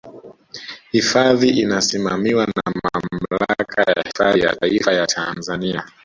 Hifadhi inasimamiwa na Mamlaka ya Hifadhi ya Taifa ya Tanzania